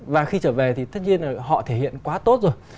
và khi trở về thì tất nhiên là họ thể hiện quá tốt rồi